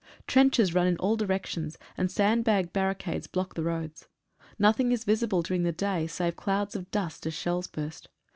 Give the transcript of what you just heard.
Trenches run in all directions, and sandbag barricades block the roads. Nothing is visible during the day save clouds of dust as shells burst.